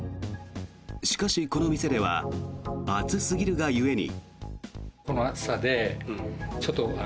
しかし、この店では暑すぎるが故に。